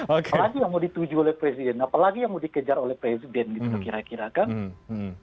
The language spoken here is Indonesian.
apalagi yang mau dituju oleh presiden apalagi yang mau dikejar oleh presiden